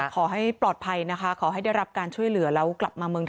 ขอให้ปลอดภัยนะคะขอให้ได้รับการช่วยเหลือแล้วกลับมาเมือง